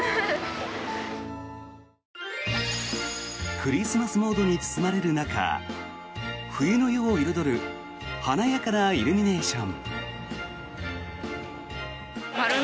クリスマスモードに包まれる中冬の夜を彩る華やかなイルミネーション。